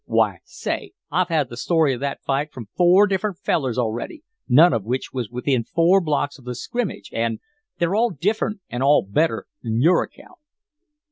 Why, say, I've had the story of that fight from four different fellers already, none of which was within four blocks of the scrimmage, an' they're all diff'rent an' all better 'n your account."